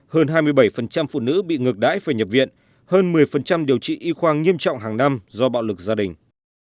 hơn hai mươi bảy phụ nữ bị ngược đãi phải nhập viện hơn một mươi điều trị y khoa nghiêm trọng hàng năm do bạo lực gia đình